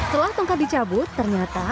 setelah tongkat dicabut ternyata